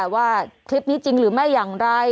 ว่าคลิปนี้จริงหรือไม่อย่างไร